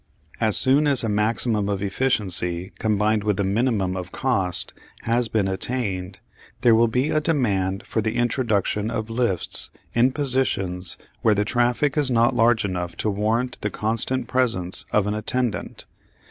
As soon as a maximum of efficiency, combined with the minimum of cost, has been attained, there will be a demand for the introduction of lifts in positions where the traffic is not large enough to warrant the constant presence of an attendant.